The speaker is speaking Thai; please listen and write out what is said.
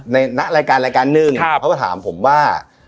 ในรายการรายการหนึ่งเขาก็ถามผมว่า